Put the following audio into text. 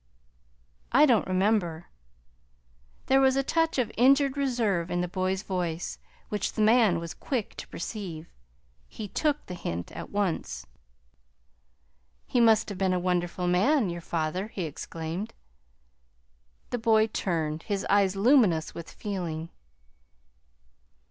"I don't remember." There was a touch of injured reserve in the boy's voice which the man was quick to perceive. He took the hint at once. "He must have been a wonderful man your father!" he exclaimed. The boy turned, his eyes luminous with feeling.